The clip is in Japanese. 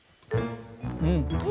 うん。